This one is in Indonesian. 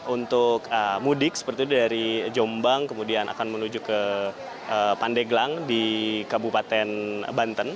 untuk mudik seperti itu dari jombang kemudian akan menuju ke pandeglang di kabupaten banten